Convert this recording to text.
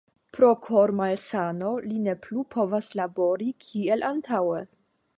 Pro kor-malsano li ne plu povas labori kiel antaŭe.